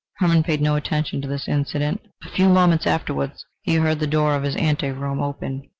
Hermann paid no attention to this incident. A few moments afterwards he heard the door of his ante room open.